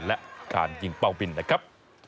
และการยิงเป้าบินนะครับ